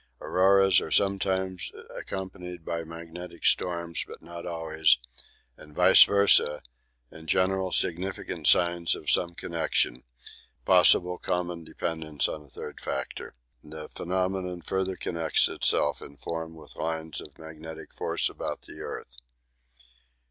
Auroras are sometimes accompanied by magnetic storms, but not always, and vice versa in general significant signs of some connection possible common dependents on a third factor. The phenomenon further connects itself in form with lines of magnetic force about the earth.